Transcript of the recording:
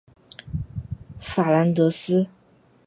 法兰德斯。